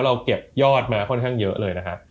เราเก็บยอดมาค่อนข้างเยอะเลยนะครับ